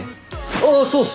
あそうっす！